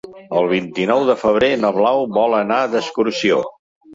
El vint-i-nou de febrer na Blau vol anar d'excursió.